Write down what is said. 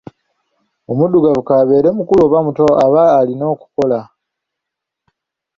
Omuddugavu kaabeere mukulu oba muto, ab'alina okukola.